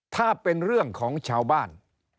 ถ้าเป็นเรื่องของชาวบ้าน